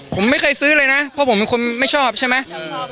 ผมไม่เคยซื้อเลยนะเพราะผมเป็นคนไม่ชอบใช่ไหม